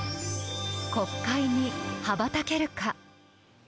国会に羽ばたけるか。